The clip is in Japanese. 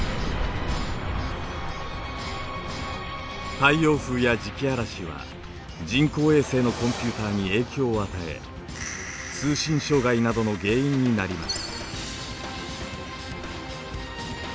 太陽風や磁気嵐は人工衛星のコンピューターに影響を与え通信障害などの原因になります。